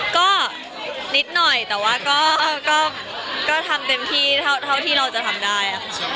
ก็นิดหน่อยแต่ว่าก็ทำเต็มที่เท่าที่เราจะทำได้ค่ะ